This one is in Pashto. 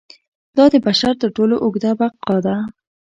دا د بشر تر ټولو اوږده بقا ده.